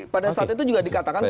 pada saat itu juga dikatakan